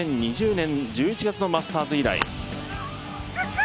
２０２０年１１月のマスターズ以来。